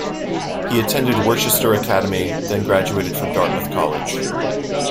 He attended Worcester Academy, then graduated from Dartmouth College.